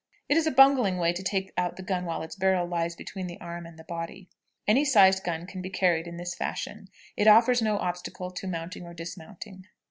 It is a bungling way to take out the gun while its barrel lies between the arm and the body. Any sized gun can be carried in this fashion. It offers no obstacle to mounting or dismounting."